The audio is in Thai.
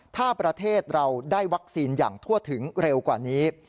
ถ้าประเทศเราได้วัคซีนอย่างทั่วถึงเร็วกว่านี้